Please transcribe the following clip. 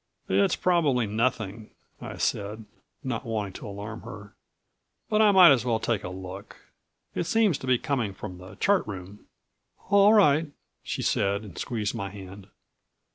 "It's probably nothing," I said, not wanting to alarm her. "But I might as well take a look. It seems to be coming from the chart room." "All right," she said and squeezed my hand.